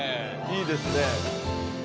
いいですね。